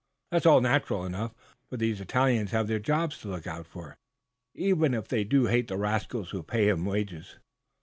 That's all natural enough, for these Italians have their jobs to look out for, even if they do hate the rascals who pay 'em wages."